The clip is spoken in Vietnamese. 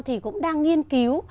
thì cũng đang nghiên cứu